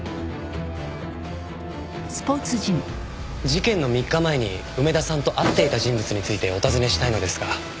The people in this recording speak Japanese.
事件の３日前に梅田さんと会っていた人物についてお尋ねしたいのですが。